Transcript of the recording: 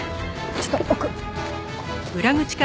ちょっと奥。